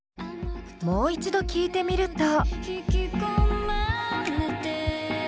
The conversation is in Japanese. もう一度聴いてみると。